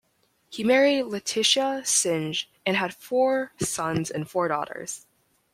He married Letitia Synge and had four sons and four daughters.